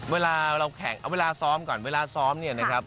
เวลาเราแข่งเอาเวลาซ้อมก่อนเวลาซ้อมเนี่ยนะครับ